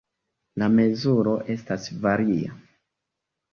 La mezuro estas varia.